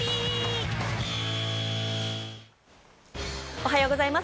おはようございます。